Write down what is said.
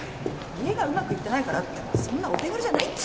家がうまくいってないからってそんなお手軽じゃないっつうの。